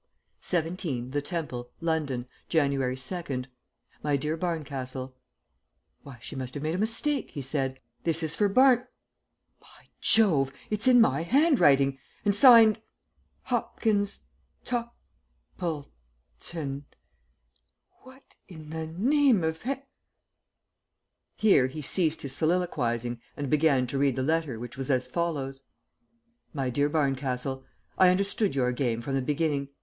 "'17, The Temple, London, January 2nd. My dear Barncastle ' Why, she must have made a mistake," he said; "this is for Barn by Jove! it's in my handwriting, and signed Hopkins Top ple ton. What in the name of Heav " Here he ceased his soliloquizing and began to read the letter which was as follows: "MY DEAR BARNCASTLE, I understood your game from the beginning.